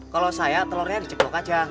kalau saya telurnya diceplok aja